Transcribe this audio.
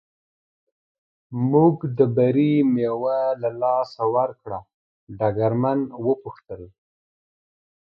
موږ د بري مېوه له لاسه ورکړه، ډګرمن و پوښتل.